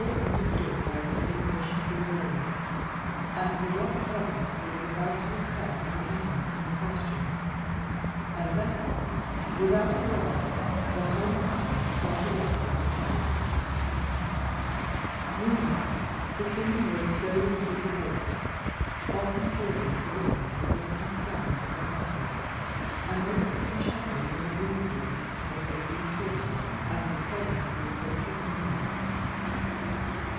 All understood why the king wished to be alone, and for what purpose he was about to repair to the eminence in question, and therefore, without a word, the whole company started off in the chase. Meanwhile, the king rode slowly through the woods, often pausing to listen to the distant sounds of the hunters, and noticing the shadows on the greensward as they grew shorter, and proclaimed the approach of noon.